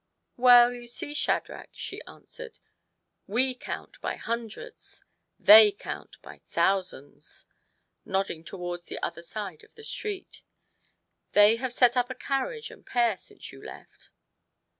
" Well, you see, Shadrach," she answered, " we count by hundreds ; they count by thousands" (nodding towards the other side of the street). " They have set up a carriage and pair since you left."